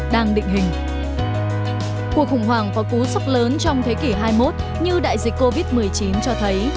đang định hình cuộc khủng hoảng có cú sốc lớn trong thế kỷ hai mươi một như đại dịch covid một mươi chín cho thấy